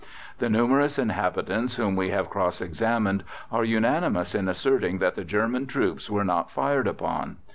The numerous inhabitants whom we have cross examined are unanimous in asserting that the German troops were not fired upon.